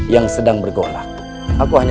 yang sedang diperlukan untuk mengembalikan diri